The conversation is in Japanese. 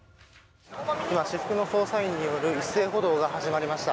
私服の捜査員による一斉補導が始まりました。